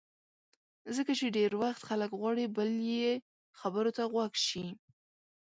ځکه چې ډېری وخت خلک غواړي بل یې خبرو ته غوږ شي.